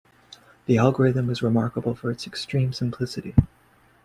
The algorithm was remarkable for its extreme simplicity.